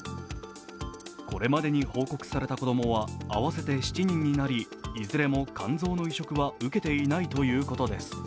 これまでに報告された子供は合わせて７人になり、いずれも肝臓の移植は受けていないということです。